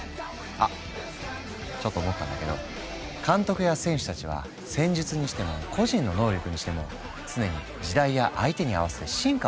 あちょっと思ったんだけど監督や選手たちは戦術にしても個人の能力にしても常に時代や相手に合わせて進化を続けているよね。